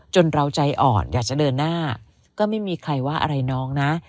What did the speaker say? เราใจอ่อนอยากจะเดินหน้าก็ไม่มีใครว่าอะไรน้องนะ